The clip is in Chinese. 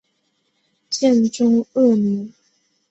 建中二年。